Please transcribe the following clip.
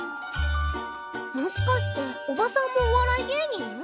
もしかしておばさんもお笑い芸人？